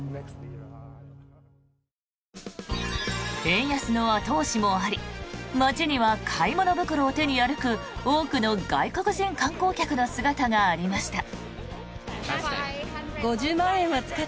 円安の後押しもあり街には買い物袋を手に歩く多くの外国人観光客の姿がありました。